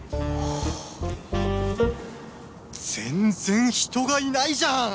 全然人がいないじゃん！